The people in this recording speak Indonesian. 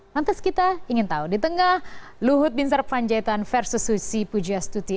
lantas kita ingin tahu di tengah luhut bin sarpanjaitan versus susi pujastuti